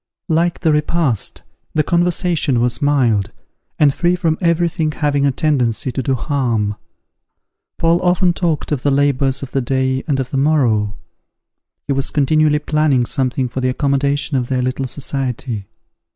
Like the repast, the conversation was mild, and free from every thing having a tendency to do harm. Paul often talked of the labours of the day and of the morrow. He was continually planning something for the accommodation of their little society.